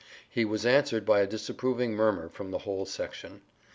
He was answered by a disapproving murmur from the whole section.